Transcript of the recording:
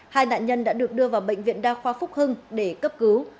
hai nạn nhân đã được đưa vào bệnh viện đa khoa phúc hưng để cấp cứu